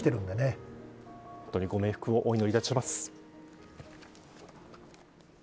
本当にご冥福をお祈りいたします。